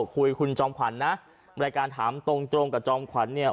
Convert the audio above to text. คุยคุณจอมขวัญนะรายการถามตรงกับจอมขวัญเนี่ย